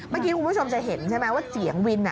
เมื่อกี้คุณผู้ชมจะเห็นใช่ไหมว่าเสียงวิน